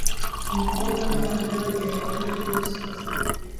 Umukobwa n'umwana we bagenda iruhande rw'umusozi